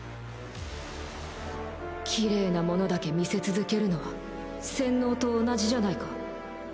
綺麗なものだけ見せ続けるのは洗脳と同じじゃないか？